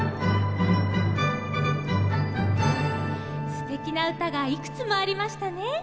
すてきな歌がいくつもありましたね。